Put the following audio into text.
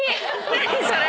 何それ⁉